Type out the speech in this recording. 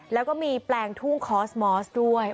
แล้วก็มีแปลงทุ่งคอสมอสด้วย